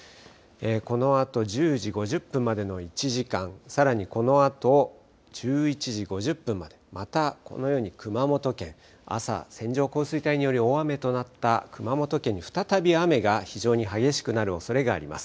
このあと１０時５０分までの１時間、さらにこのあと１１時５０分まで、またこのように熊本県、朝、線状降水帯により大雨となった熊本県に再び雨が非常に激しくなるおそれがあります。